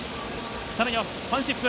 さらにはファンシップ。